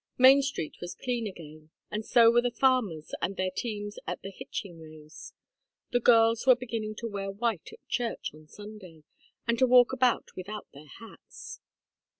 Main Street was clean again, and so were the farmers and their teams at the hitching rails; the girls were beginning to wear white at church on Sunday, and to walk about without their hats.